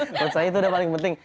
menurut saya itu udah paling penting